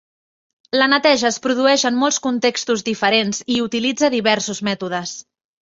La neteja es produeix en molts contextos diferents i utilitza diversos mètodes.